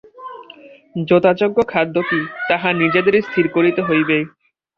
যথাযোগ্য খাদ্য কি, তাহা নিজেদেরই স্থির করিতে হইবে।